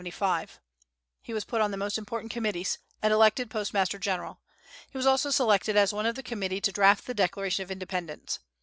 He was put on the most important committees, and elected Postmaster General. He was also selected as one of the committee to draft the Declaration of Independence.